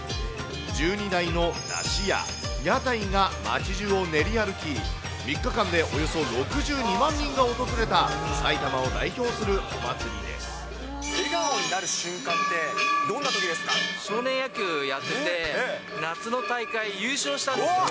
１２台の山車や屋台が街中を練り歩き、３日間でおよそ６２万人が訪れた、笑顔になる瞬間って、どんな少年野球やってて、夏の大会優勝したんですよ。